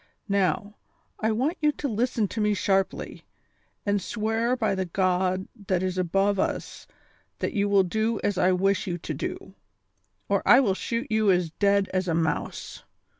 Now, I want you to listen to me sharply, and swear by the God that is above us that you will do as I wish you to do, or I will shoot you as dead as a mouse.